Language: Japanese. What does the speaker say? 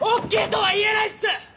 ＯＫとは言えないっす！